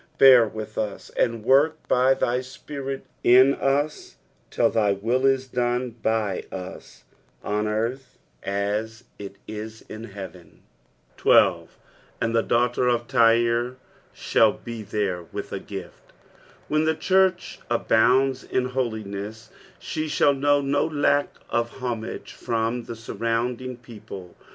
Bear with us, and work by thy Spirit in us till thy will is dono b; us on earth as it ia in heaven. 13. "Andthe daughUr of Tyre thnU hethereteUh a gift." When the church abounds in holiness, she rIihU know no lock of humsgc from the Hurrounding people.